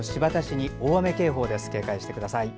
警戒してください。